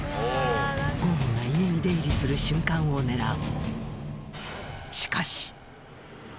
ゴーンが家に出入りする瞬間を狙う。